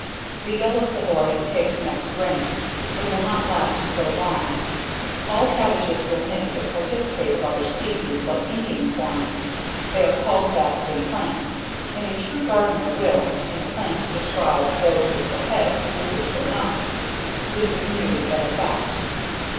The Yellow Savoy, takes next rank, but will not last so long; all Cabbages will mix, and participate of other species, like Indian Corn; they are culled, best in plants; and a true gardener will, in the plant describe those which will head, and which will not. This is new, but a fact.